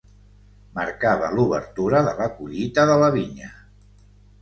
Marcava l'obertura de la collita de la vinya.